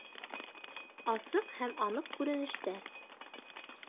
Асыҡ һәм аныҡ күренештәр